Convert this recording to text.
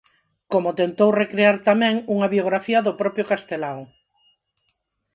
Como tentou recrear tamén unha biografía do propio Castelao.